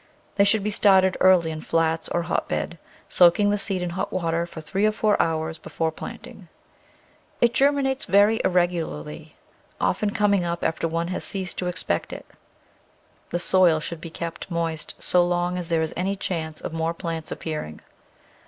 They should be started early in flats or hotbed, soaking the seed in hot water for three or four hours before planting. It germinates very irregularly, often Digitized by Google Ten] annuals from &eeto m coming up after one has ceased to expect it. The soil should be kept moist so long as there is any chance of more plants appearing.